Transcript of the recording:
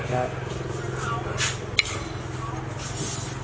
ขออธิบาย